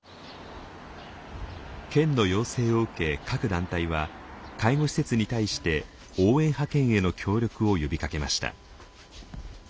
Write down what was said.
県の要請を受け各団体は介護施設に対して応援派遣への協力を呼びかけました。